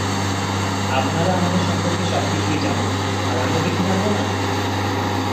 আপনারা আমাদের সম্পর্কে সবকিছুই জানবেন, আর আমরা কিছু জানব না।